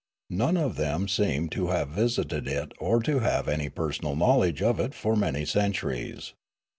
None of them seemed to have visited it or to have had an} personal knowledge of it for many centuries.